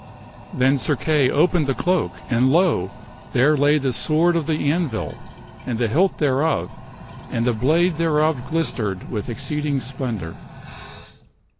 Then Sir Kay opened the cloak and, lo ! there lay the sword of the anvil, and the hilt thereof and the blade thereof glistered with exceeding splendor.